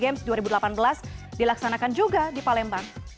games dua ribu delapan belas dilaksanakan juga di palembang